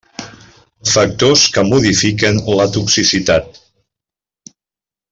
Factors que modifiquen la toxicitat.